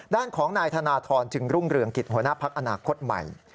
ด้านของนายธนทรจึงรุ่งเรืองกิจหัวหน้าพักอนาคตใหม่